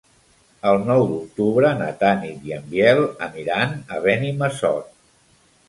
El nou d'octubre na Tanit i en Biel aniran a Benimassot.